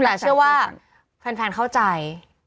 แต่เชื่อว่าแฟนเข้าใจ